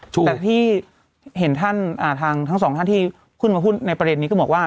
แต่ที่เห็นท่านอ่าทางทั้งสองท่านที่